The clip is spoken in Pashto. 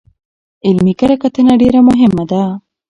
علمي کره کتنه ډېره مهمه ده.